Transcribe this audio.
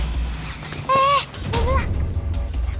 eh ini belakang